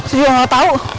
saya gak tahu